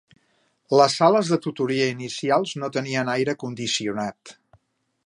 Les sales de tutoria inicials no tenien aire condicionat.